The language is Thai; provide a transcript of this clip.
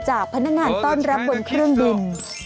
พนักงานต้อนรับบนเครื่องบิน